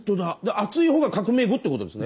厚いほうが革命後ってことですね。